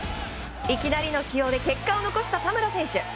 いきなりの起用で結果を残した田村選手。